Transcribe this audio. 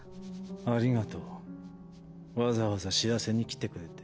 ありがとうわざわざ知らせに来てくれて。